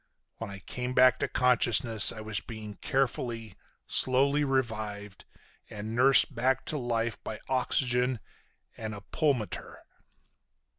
When I came back to consciousness I was being carefully, slowly revived, and nursed back to life by oxygen and a pulmotor."